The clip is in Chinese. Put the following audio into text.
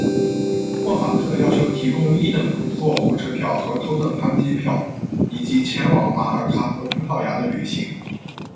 莫法特要求提供一等座火车票和头等舱机票以及前往马耳他和葡萄牙的旅行。